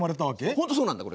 本当そうなんだこれ。